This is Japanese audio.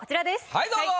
はいどうぞ。